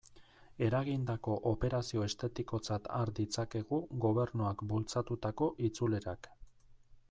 Eragindako operazio estetikotzat har ditzakegu Gobernuak bultzatutako itzulerak.